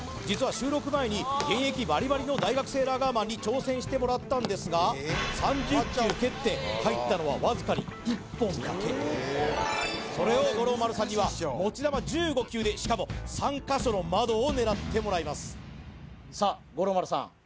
実は収録前に現役バリバリの大学生ラガーマンに挑戦してもらったんですが３０球蹴って入ったのはわずかに１本だけそれを五郎丸さんには持ち玉１５球でしかも３か所の窓を狙ってもらいますさあ五郎丸さん